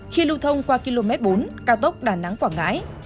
khi lưu thông qua km bốn cao tốc đàn nắng quảng ngãi